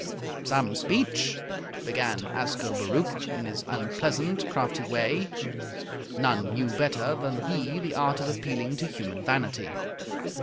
"Some speech!" began Ascobaruch in his unpleasant, crafty way. None knew better than he the art of appealing to human vanity.